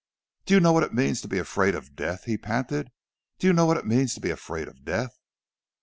"Do you know what it means to be afraid of death?" he panted. "Do you know what it means to be afraid of death?"